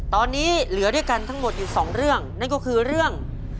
ตอนนี้เหลือด้วยกันทั้งหมดอยู่สองเรื่องนั่นก็คือเรื่อง